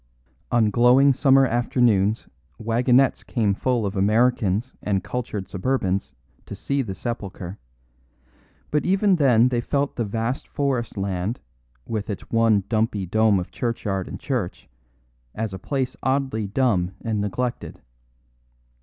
On glowing summer afternoons wagonettes came full of Americans and cultured suburbans to see the sepulchre; but even then they felt the vast forest land with its one dumpy dome of churchyard and church as a place oddly dumb and neglected.